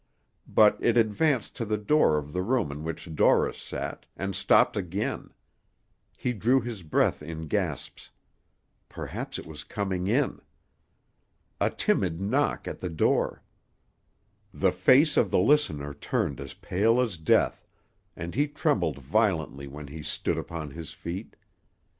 But it advanced to the door of the room in which Dorris sat, and stopped again; he drew his breath in gasps perhaps it was coming in! A timid knock at the door! The face of the listener turned as pale as death, and he trembled violently when he stood upon his feet.